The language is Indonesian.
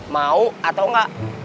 mau atau enggak